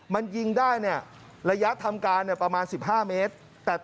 มันยิงได้เนี่ยระยะทำการประมาณ๑๕เมตร